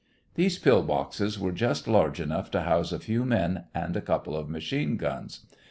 These pill boxes were just large enough to house a few men and a couple of machine guns.